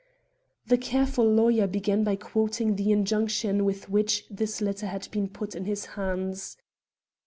The careful lawyer began by quoting the injunction with which this letter had been put in his hands.